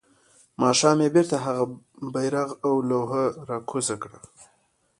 ماښام يې بيرته هغه بيرغ او لوحه راکوزه کړه.